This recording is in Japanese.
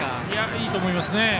いいと思いますね。